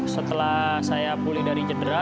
setelah saya pulih dari cedera